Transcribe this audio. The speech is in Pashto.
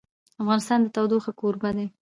افغانستان د تودوخه کوربه دی.